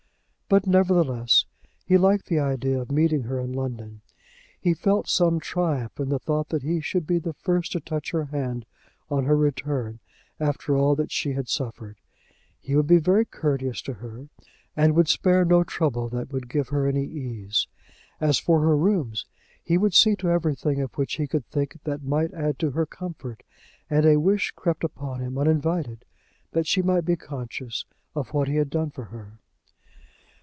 But, nevertheless, he liked the idea of meeting her in London. He felt some triumph in the thought that he should be the first to touch her hand on her return after all that she had suffered. He would be very courteous to her, and would spare no trouble that would give her any ease. As for her rooms, he would see to everything of which he could think that might add to her comfort; and a wish crept upon him, uninvited, that she might be conscious of what he had done for her.